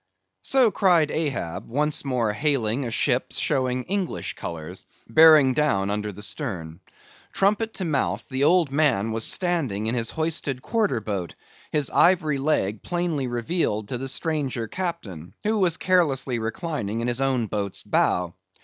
So cried Ahab, once more hailing a ship showing English colours, bearing down under the stern. Trumpet to mouth, the old man was standing in his hoisted quarter boat, his ivory leg plainly revealed to the stranger captain, who was carelessly reclining in his own boat's bow.